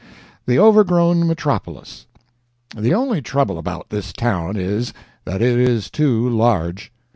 THE OVERGROWN METROPOLIS THE only trouble about this town is, that it is too large.